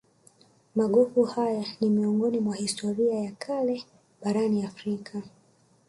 Magofu haya ni miongoni mwa historia ya kale barani Afrika